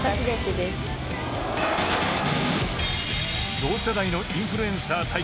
［同世代のインフルエンサー対決］